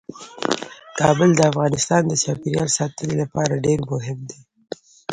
کابل د افغانستان د چاپیریال ساتنې لپاره ډیر مهم دی.